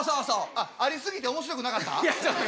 あっありすぎておもしろくなかった？